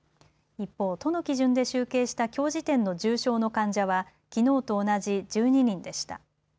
一方、都の基準で集計したきょう時点の重症の患者はきのうと同じ１２人でした。